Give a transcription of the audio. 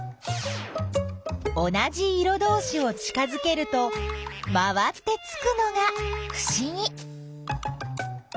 同じ色どうしを近づけると回ってつくのがふしぎ。